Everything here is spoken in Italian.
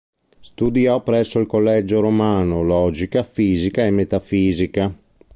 Studiò presso il Collegio Romano logica, fisica e metafisica.